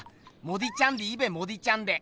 モディちゃんでいいべモディちゃんで。